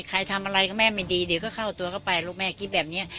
ใครทำอะไรก็แม่ไม่ดีเดี๋ยวก็เข้าตัวเข้าไปลูกแม่คิดแบบนี้